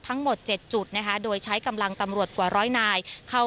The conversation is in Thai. ทั้งหมด๗จุดนะคะโดยใช้กำลังตำรวจกว่าร้อยนายเข้า